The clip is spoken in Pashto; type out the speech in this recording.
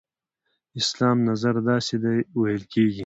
اسلام نظر داسې دی ویل کېږي.